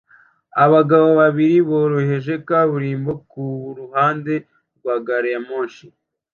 Abagabo babiri boroheje kaburimbo kuruhande rwa gari ya moshi